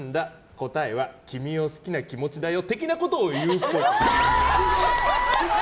答えは、君を好きな気持ちだよ的なことを言うっぽい。